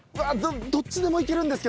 どっちでもいけるんですけど。